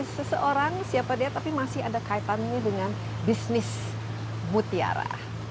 seseorang siapa dia tapi masih ada kaitannya dengan bisnis mutiara